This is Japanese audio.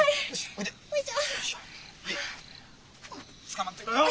つかまってろよ。